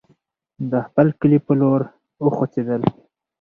د خپل کلي پر لور وخوځېدل.